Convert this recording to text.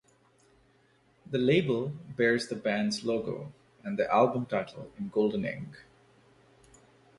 The label bears the band's logo and the album title in golden ink.